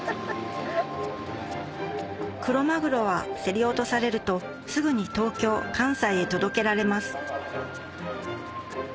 クロマグロは競り落とされるとすぐに東京関西へ届けられます